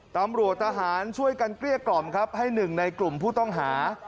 ตำรวจทหารช่วยกันเกลี้ยกล่อมครับให้หนึ่งในกลุ่มผู้ต้องหา